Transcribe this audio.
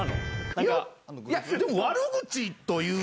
いやでも、悪口という。